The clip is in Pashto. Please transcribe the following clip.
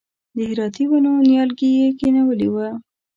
د هراتي ونو نیالګي یې کښېنولي و.